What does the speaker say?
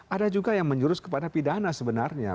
ada juga yang menjurus kepada pidana sebenarnya